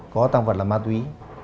có tăng vật là ma túy